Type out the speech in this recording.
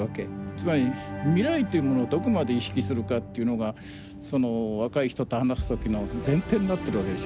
つまり未来というものをどこまで意識するかっていうのが若い人と話す時の前提になってるわけでしょ。